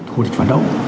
thủ lịch phản động